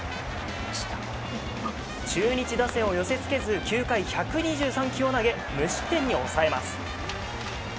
中日打線を寄せつけず９回１２３球を投げ無失点に抑えます。